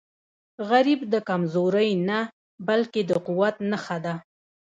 غریب د کمزورۍ نه، بلکې د قوت نښه ده